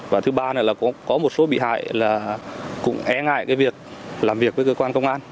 và thứ ba là cũng có một số bị hại là cũng e ngại cái việc làm việc với cơ quan công an